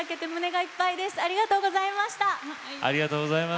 ありがとうございます。